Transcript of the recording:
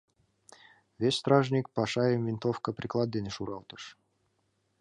Вес стражник Пашайым винтовка приклад дене шуралтыш.